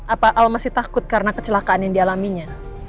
apa al masih takut karena kecelakaan yang dialaminya